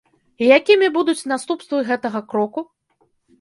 І якімі будуць наступствы гэтага кроку?